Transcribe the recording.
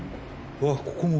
うわっここも。